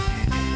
di tempat ini